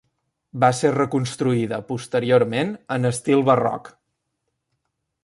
Va ser reconstruïda posteriorment en estil barroc.